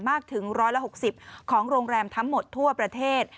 มากถึงร้อยละหกสิบของโรงแรมทั้งหมดทั่วประเทศ